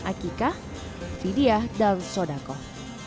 akikah fidyah dan sodakoh